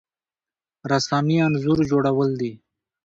رسامي انځور جوړول دي